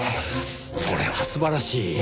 それは素晴らしい。